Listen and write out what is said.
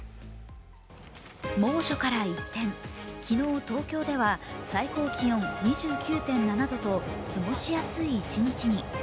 猛暑から一転、昨日、東京では最高気温２９．７度と過ごしやすい一日に。